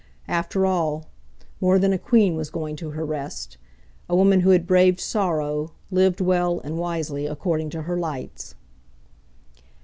After all, more than a Queen was going to her rest, a woman who had braved sorrow, lived well and wisely according to her lights.